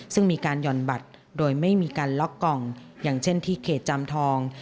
ซึ่งมีการหย่อนบัตรโดยไม่มีการล็อกกล่องอย่างเช่นที่เขตจอมทอง